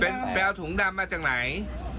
เป็นเป็นถุงดำมาจากไหน